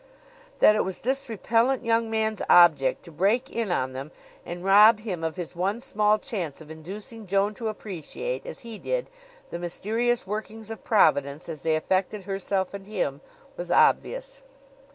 That it was this repellent young man's object to break in on them and rob him of his one small chance of inducing Joan to appreciate, as he did, the mysterious workings of Providence as they affected herself and him, was obvious.